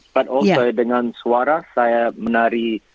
tapi juga dengan suara saya menari